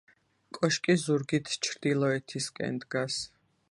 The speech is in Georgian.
კოშკი ზურგით ჩრდილოეთისკენ დგას.